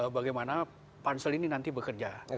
bagaimana pansel ini nanti bekerja